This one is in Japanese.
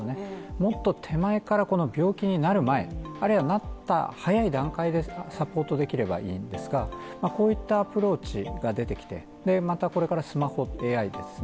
もっと手前からこの病気になる前、あるいはなった早い段階でサポートできればいいんですがこういったアプローチが出てきてまたこれからスマホやＡＩです